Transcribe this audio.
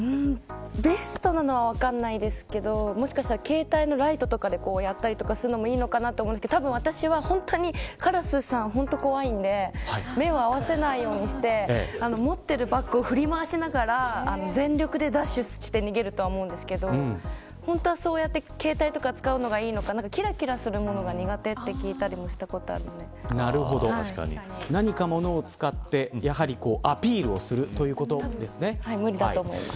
ベストなのは分からないですけどもしかしたら携帯のライトとかでやったりするのもいいのかなと思うんですけどたぶん私は本当にカラスさん怖いんで目を合わせないようにして持っているバッグを振り回しながら全力でダッシュして逃げるとは思うんですけど本当はそうやって携帯とか使うのがいいのかなってきらきらするものが苦手と聞いたことがあるので何か物を使ってやはりアピールをする無理だと思います。